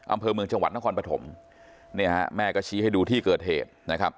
อำเภอเมืองจังหวัดนครปฐมแม่ก็ชี้ให้ดูที่เกิดเหตุ